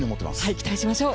期待しましょう。